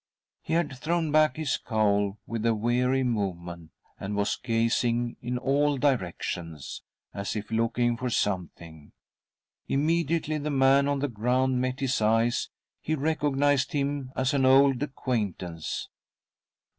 He had thrown back Hs cowl with a weary movement, and was gazing in all directions, as if looking for something. Immediately the man on the ground met his eyes he recognised him as an old acquaintance.